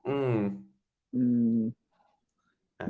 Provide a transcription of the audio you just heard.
อืม